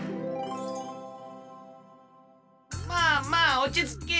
まあまあおちつけ。